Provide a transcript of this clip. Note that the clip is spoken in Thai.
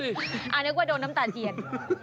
นึกว่าโดนน้ำตาเทียน